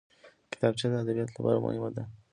کتابچه د ادبیاتو لپاره مهمه ده